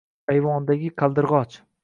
— Ayvondagi qaldirg’och.